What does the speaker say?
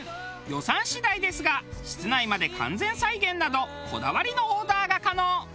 予算次第ですが室内まで完全再現などこだわりのオーダーが可能。